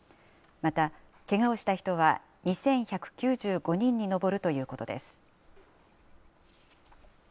またけがをした人は２１９５人に上るということです。